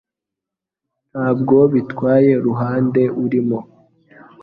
Ntabwo bitwaye uruhande urimo